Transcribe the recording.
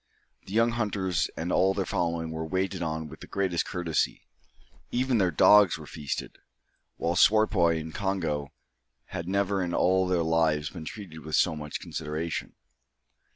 The young hunters and all their following were waited on with the greatest courtesy. Even their dogs were feasted, while Swartboy and Congo had never in all their lives been treated with so much consideration.